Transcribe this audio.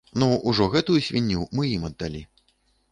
Ну, ўжо гэтую свінню мы ім аддалі.